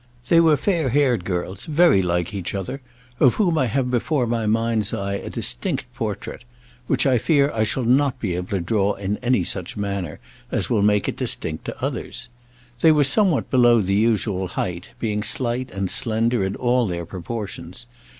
They were fair haired girls, very like each other, of whom I have before my mind's eye a distinct portrait, which I fear I shall not be able to draw in any such manner as will make it distinct to others. They were something below the usual height, being slight and slender in all their proportions.